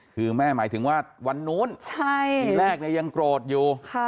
คือแม่หมายถึงว่าวันนู้นทีแรกยังโกรธอยู่